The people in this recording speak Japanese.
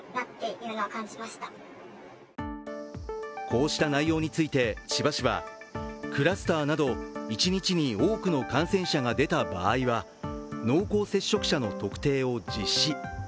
こうした内容について千葉市は、クラスターなど、一日に多くの感染者が出た場合は、濃厚接触者の特定を実施。